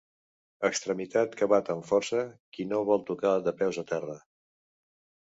Extremitat que bat amb força qui no vol tocar de peus a terra.